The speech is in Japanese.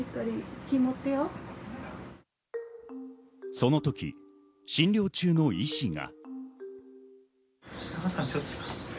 その時、診療中の医師が。